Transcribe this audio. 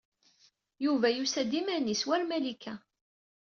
Yuba yusa-d iman-is, war Malika.